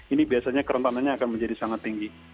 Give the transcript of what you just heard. ini biasanya kerentanannya akan menjadi sangat tinggi